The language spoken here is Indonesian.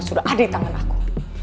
sudah ada di tangan aku